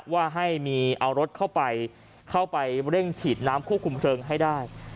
ว่าให้มีเอารถเข้าไปเร่งฉีดน้ำคู่คุมเทิงให้ได้